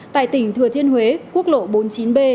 tại tỉnh thừa thiên huế quốc lộ bốn mươi chín b